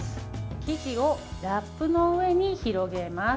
生地をラップの上に広げます。